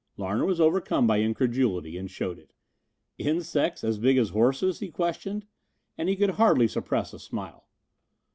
Larner was overcome by incredulity and showed it. "Insects as big as horses?" he questioned and he could hardly suppress a smile.